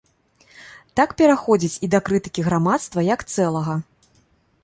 Так пераходзіць і да крытыкі грамадства як цэлага.